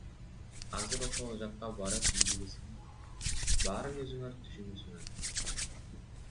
Азыр ошол жакка барып изилдесеңер, баарын өзүңөр түшүнөсүңөр.